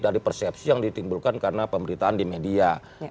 dari persepsi yang ditimbulkan karena pemberitaan di media